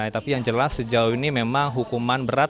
tapi yang jelas sejauh ini memang hukuman berat